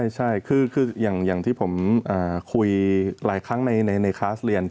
ใช่คืออย่างที่ผมคุยหลายครั้งในคลาสเรียน